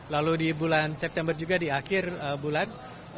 lalu di bulan september juga di akhir bulan